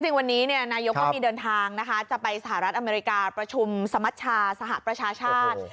จริงวันนี้นายกก็มีเดินทางนะคะจะไปสหรัฐอเมริกาประชุมสมัชชาสหประชาชาติ